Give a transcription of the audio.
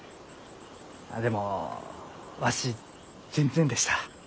でもわし全然でした。